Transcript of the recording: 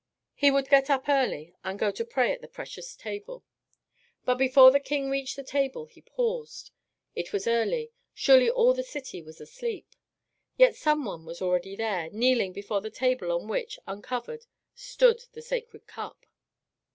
He would get up early, and go to pray at the precious table. But before the king reached the table he paused. It was early. Surely all the city was asleep. Yet some one was already there, kneeling before the table on which, uncovered, stood the Sacred Cup.